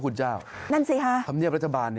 นั่นสิค่ะคำเมียประชบาร